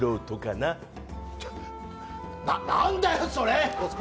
な、なんだよ、それ！